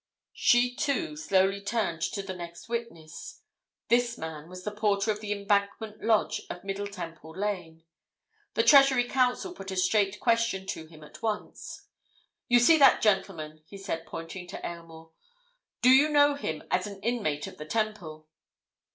She, too, slowly turned to the next witness. This man was the porter of the Embankment lodge of Middle Temple Lane. The Treasury Counsel put a straight question to him at once. "You see that gentleman," he said, pointing to Aylmore. "Do you know him as an inmate of the Temple?"